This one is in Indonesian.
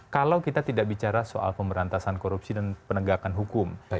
kalau kita tidak bicara soal pemberantasan korupsi dan penegakan hukum